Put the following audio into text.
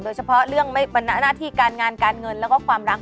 โดยเฉพาะเรื่องหน้าที่การงานการเงินแล้วก็ความรัก